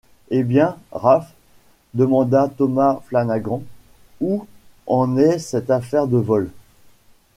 Eh bien, Ralph, demanda Thomas Flanagan, où en est cette affaire de vol?